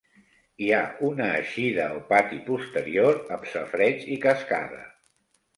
Hi ha una eixida o pati posterior amb safareig i cascada.